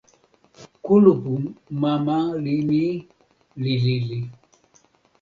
kulupu mama mi li lili.